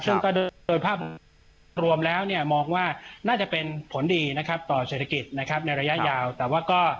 ซึ่งก็โดยภาพรวมแล้วเนี่ยมองว่าน่าจะเป็นผลดีนะครับต่อเศรษฐกิจนะครับในระยะยาวแต่ว่าก็